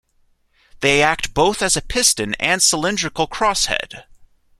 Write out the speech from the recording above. They act both as a piston and cylindrical crosshead.